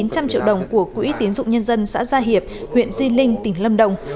chín trăm linh triệu đồng của quỹ tiến dụng nhân dân xã gia hiệp huyện di linh tỉnh lâm đồng